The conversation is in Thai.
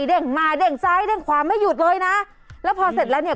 เด้งมาเด้งซ้ายเด้งขวาไม่หยุดเลยนะแล้วพอเสร็จแล้วเนี่ย